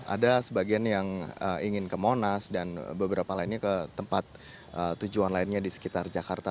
ada sebagian yang ingin ke monas dan beberapa lainnya ke tempat tujuan lainnya di sekitar jakarta